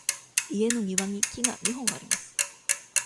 家の庭に木が二本あります。